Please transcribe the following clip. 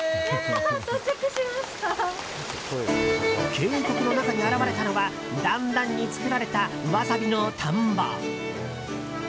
渓谷の中に現れたのは段々に作られたワサビの田んぼ。